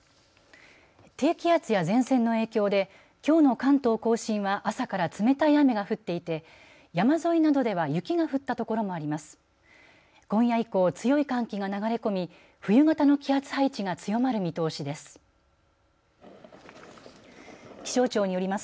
低気圧や前線の影響できょうの関東甲信は朝から冷たい雨が降っていて山沿いなどでは雪が降ったところもあります。